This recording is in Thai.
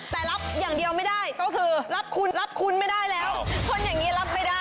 แต่รับอย่างเดียวไม่ได้ก็คือรับคุณรับคุณไม่ได้แล้วคนอย่างนี้รับไม่ได้